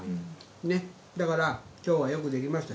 ねっだから今日はよくできました。